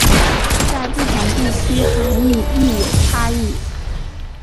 在不同地区涵义亦有差异。